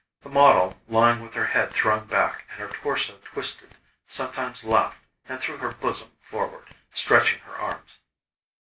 The model, lying with her head thrown back and her torso twisted sometimes laughed and threw her bosom forward, stretching her arms.